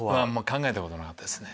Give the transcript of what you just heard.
考えたことなかったですね。